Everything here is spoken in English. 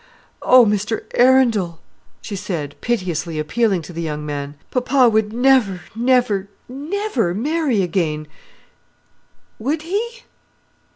"Oh, Mr Arundel!" she said, piteously appealing to the young man, "papa would never, never, never marry again, would he?"